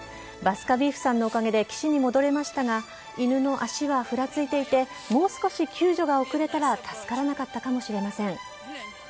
バスカヴィーフさんのおかげで岸に戻れましたが犬の足はふらついていてもう少し救助が遅れたら助からなかったかもしれません。